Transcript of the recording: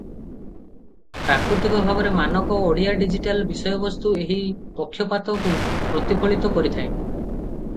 ପ୍ରାକୃତିକ ଭାବରେ ମାନକ ଓଡ଼ିଆ ଡିଜିଟାଲ ବିଷୟବସ୍ତୁ ଏହି ପକ୍ଷପାତକୁ ପ୍ରତିଫଳିତ କରିଥାଏ ।